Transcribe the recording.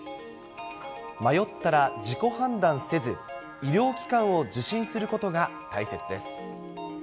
迷ったら自己判断せず、医療機関を受診することが大切です。